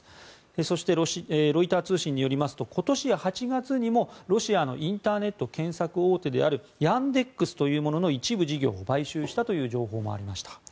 そしてロイター通信によりますと今年８月にもロシアのインターネット検索大手であるヤンデックスというものの一部事業を買収したという情報もありました。